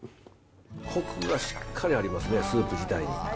こくがしっかりありますね、スープ自体に。